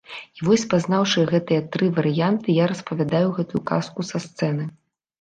І вось спазнаўшы гэтыя тры варыянты, я распавядаю гэтую казку са сцэны.